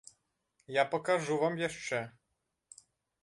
Я пакажу вам яшчэ!